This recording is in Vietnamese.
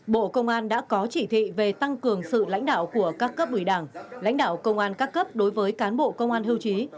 bộ công an đã có chỉ thị về tăng cường sự lãnh đạo của các cấp ủy đảng lãnh đạo công an các cấp đối với cán bộ công an hưu trí